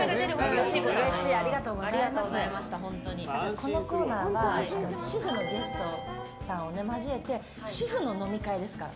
このコーナーは主婦のゲストさんを交えて主婦の飲み会ですから。